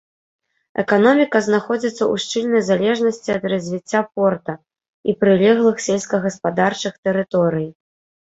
Эканоміка знаходзіцца ў шчыльнай залежнасці ад развіцця порта і прылеглых сельскагаспадарчых тэрыторый.